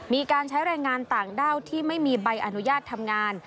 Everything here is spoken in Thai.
มีการใช้แรงงานต่างด้าวที่ไม่มีใบอนุญาตทำงาน